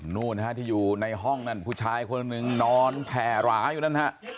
นู่นฮะที่อยู่ในห้องนั้นผู้ชายคนหนึ่งนอนแผ่หราอยู่นั่นฮะ